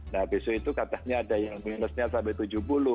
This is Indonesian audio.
nah besok itu katanya ada yang minusnya sampai tujuh puluh